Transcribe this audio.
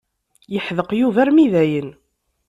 Yeḥdeq Yuba armi dayen.